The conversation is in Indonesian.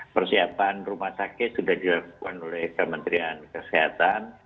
persiapan rumah sakit sudah dilakukan oleh kementerian kesehatan